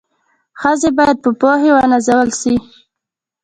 ښځي بايد په پوهي و نازول سي